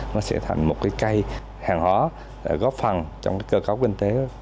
nó sẽ thành một cái cây hàng hóa góp phần trong cơ cấu kinh tế